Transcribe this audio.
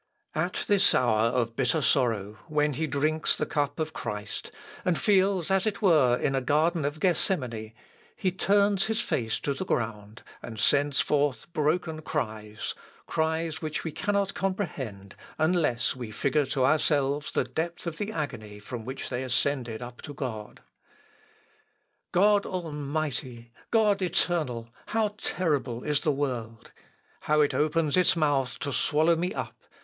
At this hour of bitter sorrow, when he drinks the cup of Christ, and feels as it were in a garden of Gethsemane, he turns his face to the ground, and sends forth broken cries, cries which we cannot comprehend, unless we figure to ourselves the depth of the agony from which they ascended up to God. "God Almighty! God Eternal! how terrible is the world! how it opens its mouth to swallow me up!